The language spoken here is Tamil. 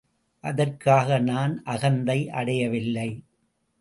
அதற்காக நான் அகந்தை அடையவில்லை.